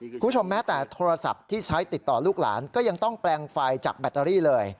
แม้แต่โทรศัพท์ที่ใช้ติดต่อลูกหลานก็ยังต้องแปลงไฟจากแบตเตอรี่เลย